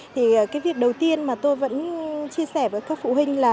thì cái việc đầu tiên mà tôi vẫn chia sẻ với các phụ huynh là